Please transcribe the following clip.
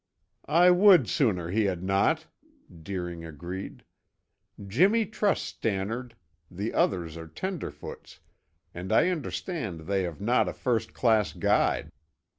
"I would sooner he had not," Deering agreed. "Jimmy trusts Stannard, the others are tenderfoots, and I understand they have not a first class guide."